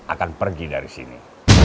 akan pergi dari sini